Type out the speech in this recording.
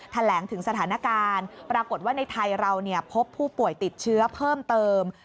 แถลงถึงสถานการณ์ปรากฏว่าในไทยเราพบผู้ป่วยติดเชื้อเพิ่มเติม